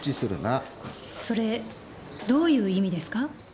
それどういう意味ですか？